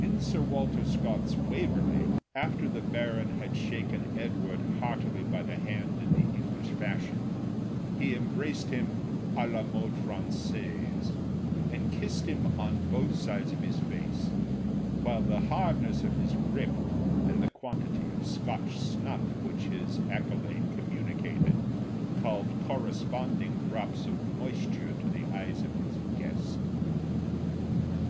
In Sir Walter Scott's "Waverley," after the Baron had shaken Edward heartily by the hand in the English fashion, he embraced him à la mode Françoise, and kissed him on both sides of his face; while the hardness of his gripe, and the quantity of Scotch snuff which his accolade communicated, called corresponding drops of moisture to the eyes of his guest.